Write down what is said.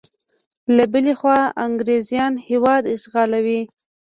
له بلې خوا انګریزیان هیواد اشغالوي.